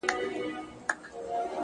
خدايه ښه نـری بـاران پرې وكړې نن ـ